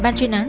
ban chuyên án